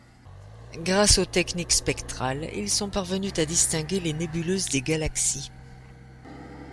Grâce aux techniques spectrales, ils sont parvenus à distinguer les nébuleuses des galaxies.